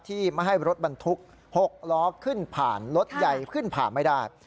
ไม่ให้รถบรรทุก๖ล้อขึ้นผ่านรถใหญ่ขึ้นผ่านไม่ได้